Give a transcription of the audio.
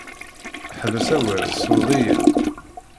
Ḥbes awal tesleḍ-iyi-d.